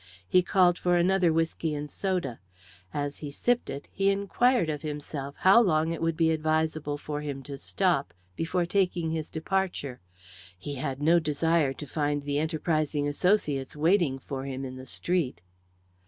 He called for another whisky and soda, As he sipped it, he inquired of himself how long it would be advisable for him to stop before taking his departure; he had no desire to find the enterprising associates waiting for him in the street.